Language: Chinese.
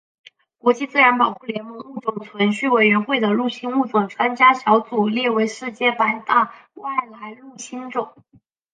国际自然保护联盟物种存续委员会的入侵物种专家小组列为世界百大外来入侵种。